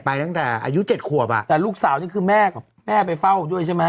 ตั้งแต่อายุเจ็ดขวบอ่ะแต่ลูกสาวนี่คือแม่กับแม่ไปเฝ้าด้วยใช่ไหม